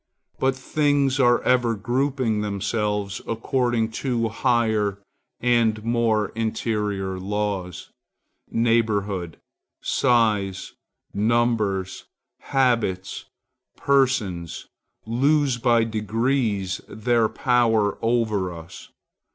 But things are ever grouping themselves according to higher or more interior laws. Neighborhood, size, numbers, habits, persons, lose by degrees their power over us.